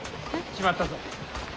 決まったぞ。